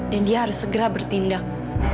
dan dia harus segera bertindak